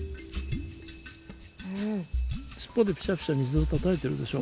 しっぽでピシャピシャ水を叩いてるでしょ。